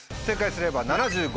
正解すれば。